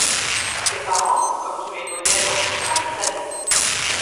Ses parents, comme tous les Modiano, sont italiens.